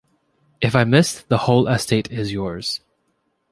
If I miss, the whole estate is yours.